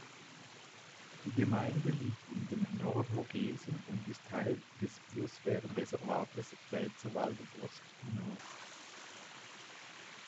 Die Gemeinde liegt in den Nordvogesen und ist Teil des Biosphärenreservates Pfälzerwald-Vosges du Nord.